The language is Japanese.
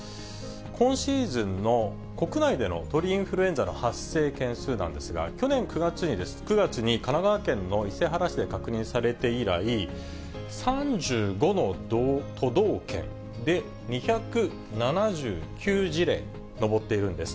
今シーズンの国内での鳥インフルエンザの発生件数なんですが、去年９月に神奈川県の伊勢原市で確認されて以来、３５の都道県で２７９事例に上っているんです。